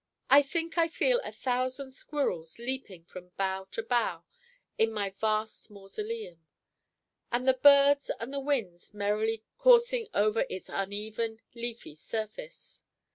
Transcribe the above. I think I feel a thousand squirrels leaping from bough to bough in my vast mausoleum; and the birds and the winds merrily coursing over its uneven, leafy surface.